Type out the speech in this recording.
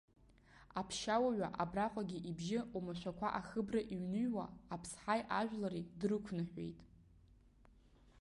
Аԥшьауаҩы абраҟагьы ибжьы оумашәақәа ахыбра иҩныҩуа, аԥсҳаи ажәлари дрықәныҳәеит.